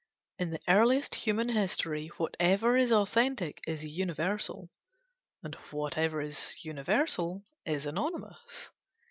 In the earliest human history whatever is authentic is universal: and whatever is universal is anonymous.